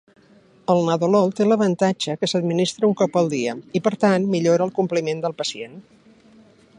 El nadolol té l'avantatge que s'administra un cop al dia i, per tant, millora el compliment del pacient.